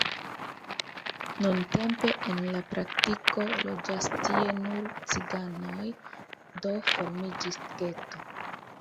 Nuntempe en la praktiko loĝas tie nur ciganoj, do formiĝis geto.